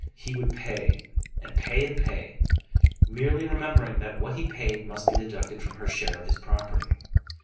He would pay, and pay, and pay, merely remembering that what he paid must be deducted from her share of his property.